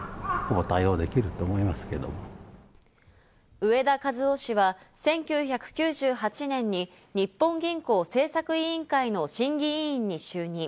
植田和男氏は１９９８年に日本銀行政策委員会の審議委員に就任。